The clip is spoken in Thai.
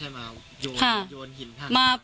ไม่ใช่มาโยนหินผ้างทาง